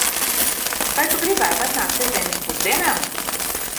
Vai tu gribētu atnākt sestdien uz pusdienām?